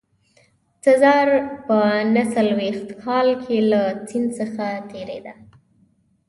سزار په نه څلوېښت کال کې له سیند څخه تېرېده.